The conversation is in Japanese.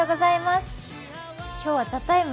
今日は「ＴＨＥＴＩＭＥ，」